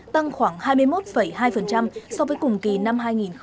tăng khoảng hai mươi một hai so với cùng kỳ năm hai nghìn hai mươi hai